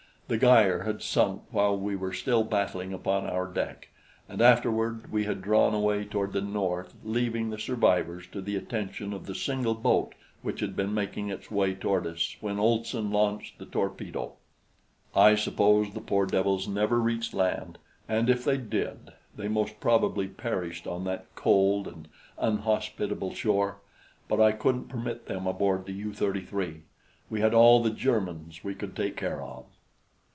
The Geier had sunk while we were still battling upon our deck, and afterward we had drawn away toward the north, leaving the survivors to the attention of the single boat which had been making its way toward us when Olson launched the torpedo. I suppose the poor devils never reached land, and if they did, they most probably perished on that cold and unhospitable shore; but I couldn't permit them aboard the U 33. We had all the Germans we could take care of.